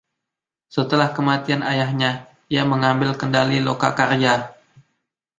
Setelah kematian ayahnya, dia mengambil kendali lokakarya.